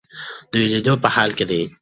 د ویلیدو په حال کې دی.